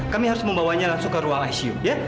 kami harus membawanya langsung ke ruang icu ya